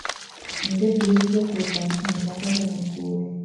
Imbwa ebyiri z'ubwoko butandukanye zihagaze mu rwuri